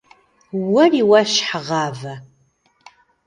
- Уэри уэ, щхьэгъавэ!